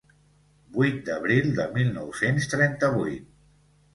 Vuit d'abril de mil nou-cents trenta-vuit.